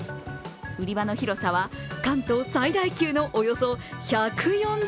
売り場の広さは関東最大級のおよそ１４０坪。